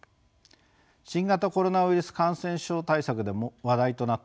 新型コロナウイルス感染症対策でも話題となった